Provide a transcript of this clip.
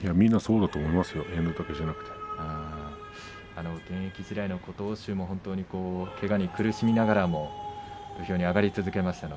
遠藤だけじゃありません現役時代の琴欧洲もけがに苦しみながら土俵に上がり続けましたね。